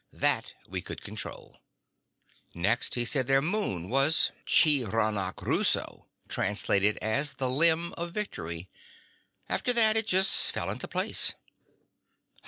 That, we could control. Next, he said their moon was Chiranachuruso, translated as The Limb of Victory. After that it just fell into place."